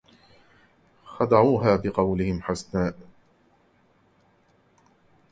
خدعوها بقولهم حسناء